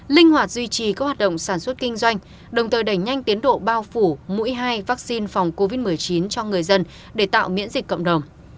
linh hoạt duy trì các hoạt động sản xuất kinh doanh đồng thời đẩy nhanh tiến độ bao phủ mũi hai vaccine phòng covid một mươi chín cho người dân để tạo miễn dịch cộng đồng